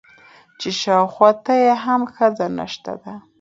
چې شاوخوا ته يې هم ښځه نشته ده.